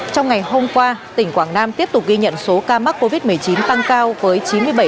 trong ngày hôm qua tỉnh quảng nam tiếp tục ghi nhận số ca mắc covid một mươi chín tăng cao với chín mươi bảy